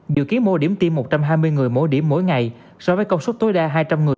dự kiến mua điểm tiêm một trăm hai mươi người mỗi điểm mỗi ngày so với công suất tối đa hai trăm linh người